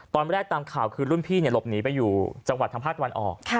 ตอนแรกตามข่าวคือรุ่นพี่หลบหนีไปอยู่จังหวัดธรรมภาควันออก